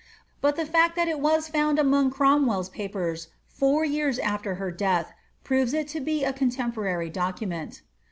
But the fact that it was found among Cromweira papers four jeara afler her death proves it to be a contemporary document.